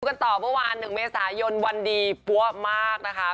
กันต่อเมื่อวาน๑เมษายนวันดีปั้วมากนะคะ